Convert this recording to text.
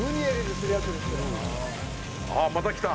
ああ、また来た。